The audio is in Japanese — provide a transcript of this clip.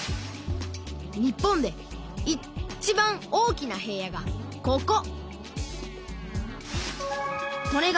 日本でいちばん大きな平野がここ。